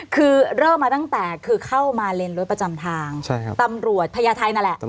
คือเริ่มมาตั้งแต่คือเข้ามาเลนรถประจำทางตำรวจพญาไทยนั่นแหละ